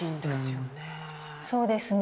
そうですね。